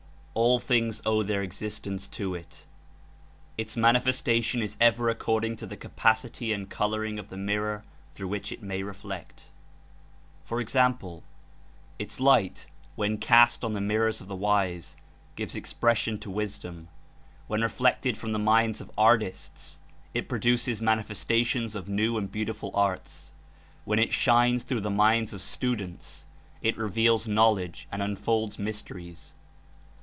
All things owe their existence to it. It^ manifestation is ever according to the capacity and coloring of the mirror through which it may reflect. For example: Its light, when cast on the mirrors of the wise, gives expression to wisdom; when reflected from the minds of artists it produces manifestations of new and beautiful arts; when it shines through the minds of students it reveals knowledge and unfolds mysteries.